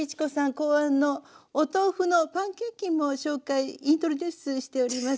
考案のお豆腐のパンケーキも紹介ｉｎｔｒｏｄｕｃｅしております。